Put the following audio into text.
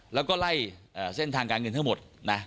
แล้วก็ไล่เส้นทางการเงินทั้งหมดนะ